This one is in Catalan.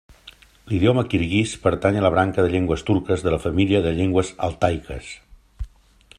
L'idioma kirguís pertany a la branca de llengües turques de la família de llengües altaiques.